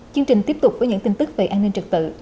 chương trình tiếp tục với những tin tức về an ninh trật tự